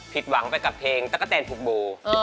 ผิดหวังไปกับเพลงตะกะแตนภู